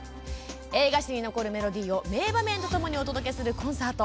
映画史に残るメロディーを名場面とともにお届けするコンサート。